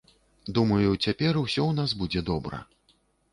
Думаю, цяпер усё ў нас будзе добра.